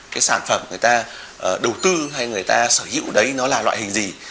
cái sản phẩm người ta đầu tư hay người ta sở hữu đấy nó là loại hình gì